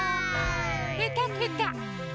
ぺたぺた。